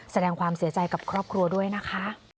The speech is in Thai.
แสดงความเสียใจกับครอบครัวด้วยนะคะ